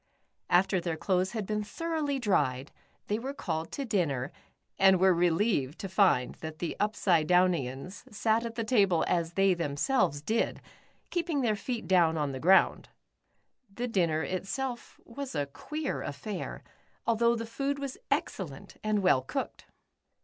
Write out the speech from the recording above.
After their clothes had been thoroughly dried, they were called to dinner, and were relieved to find that the Upsidedownians sat at the table as they themselves did, keeping their feet down on the ground. The dinner itself was a queer affair, although the food was excellent, and well cooked.